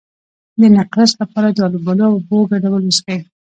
د نقرس لپاره د الوبالو او اوبو ګډول وڅښئ